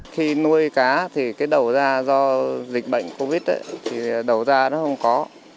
khi nuôi cá thì cái đầu ra do dịch bệnh covid thì đầu ra nó không có